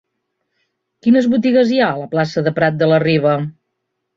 Quines botigues hi ha a la plaça de Prat de la Riba?